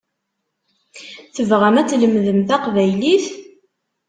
Tebɣam ad tlemdem taqbaylit?